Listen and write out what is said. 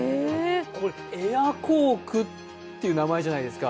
エアコークっていう名前じゃないですか。